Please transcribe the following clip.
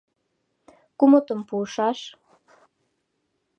Кумытым пуышаш.